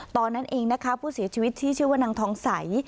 ตอนนั้นเองนะคะผู้เสียชีวิตที่ชื่อว่านางทองใส